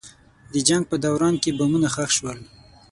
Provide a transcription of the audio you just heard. د جنګ په دوران کې بمونه ښخ شول.